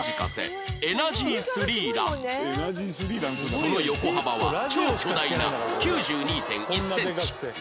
その横幅は超巨大な ９２．１ センチ